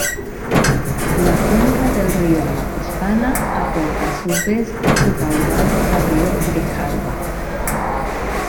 La cuenca del río Macuspana, aporta a su vez su caudal al río Grijalva.